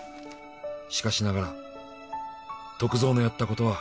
「しかしながら篤蔵のやったことは」